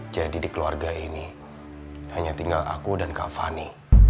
jadi di keluarga ini hanya tinggal aku dan kak fani